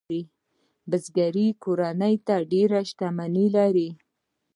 بزګري کورنۍ ډېرې شتمنۍ لرلې.